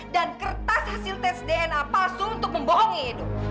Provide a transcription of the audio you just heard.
dan kertas hasil tes dna palsu untuk membohongi edo